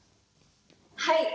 はい。